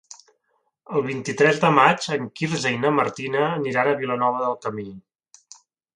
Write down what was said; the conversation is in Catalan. El vint-i-tres de maig en Quirze i na Martina aniran a Vilanova del Camí.